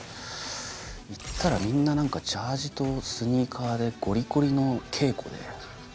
行ったらみんな何かジャージーとスニーカーでゴリゴリの稽古で。